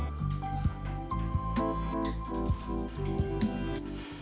muncul di kawasan